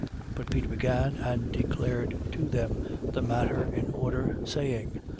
11:4. But Peter began and declared to them the matter in order, saying: 11:5.